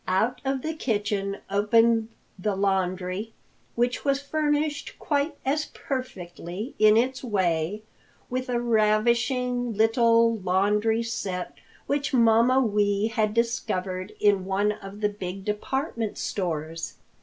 Out of the kitchen opened the laundry, which was furnished quite as perfectly in its way, with a ravishing little laundry set which Mamma Wee had discovered in one of the big department stores.